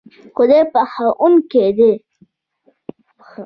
خدای بښونکی دی